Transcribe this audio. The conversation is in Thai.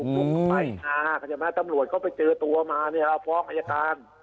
ที่บุกไปค่ะ